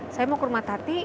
saya mau ke rumah tati